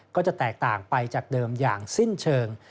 ก็จะแตกต่างไปจากเดิมอย่างสิ้นเชิง